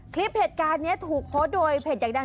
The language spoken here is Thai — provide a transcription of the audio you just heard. คลิปเหตุการณ์นี้ถูกโพสต์โดยเพจอยากดัง